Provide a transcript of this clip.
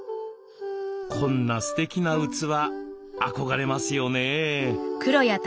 こんなすてきな器憧れますよね。